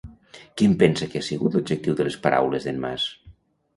Quin pensa que ha sigut l'objectiu de les paraules d'en Mas?